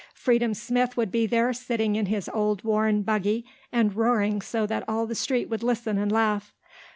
Freedom Smith would be there sitting in the old worn buggy and roaring so that all the street would listen and laugh.